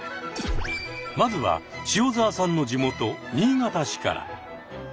まずは塩澤さんの地元新潟市から。